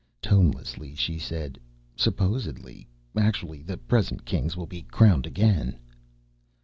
Tonelessly she said, "Supposedly. Actually, the present Kings will be crowned again."